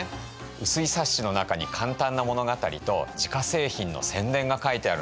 薄い冊子の中に簡単な物語と自家製品の宣伝が書いてあるんです。